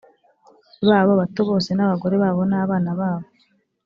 babo bato bose n abagore babo n abana babo